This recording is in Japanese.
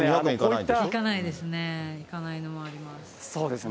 いかないですね、いかないのもあります。